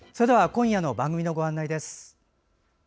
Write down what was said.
今夜の番組のご案内です。